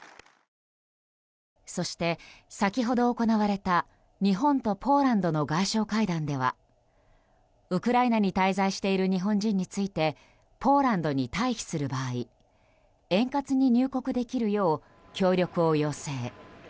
そして、先ほど行われた日本とポーランドの外相会談ではウクライナに滞在している日本人についてポーランドに退避する場合円滑に入国できるよう協力を要請。